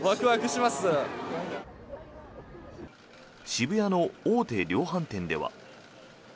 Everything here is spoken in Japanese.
渋谷の大手量販店では。